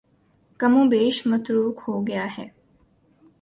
کم و بیش متروک ہو گیا ہے